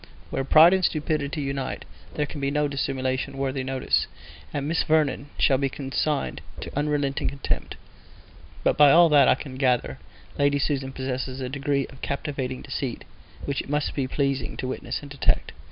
Where pride and stupidity unite there can be no dissimulation worthy notice, and Miss Vernon shall be consigned to unrelenting contempt; but by all that I can gather Lady Susan possesses a degree of captivating deceit which it must be pleasing to witness and detect.